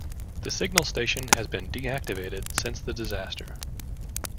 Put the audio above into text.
The signal station has been deactivated since the disaster.